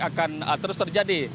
akan terus terjadi